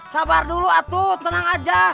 sabar dulu atuh tenang aja